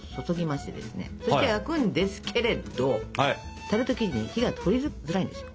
そして焼くんですけれどタルト生地に火が通りづらいんですよ。